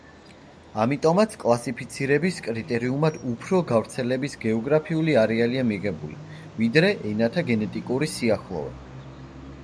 ამიტომაც კლასიფიცირების კრიტერიუმად უფრო გავრცელების გეოგრაფიული არეალია მიღებული, ვიდრე ენათა გენეტიკური სიახლოვე.